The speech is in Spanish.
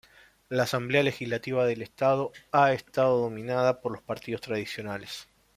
La asamblea legislativa del estado ha estado dominada por los partidos tradicionales.